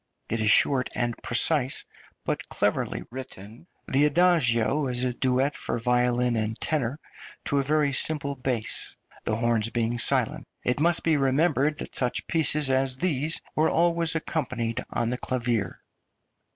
It is short and precise, but cleverly written. The adagio is a duet for violin and tenor, to a very simple bass, the horns being silent. It must be remembered that such pieces as these were always accompanied on the clavier.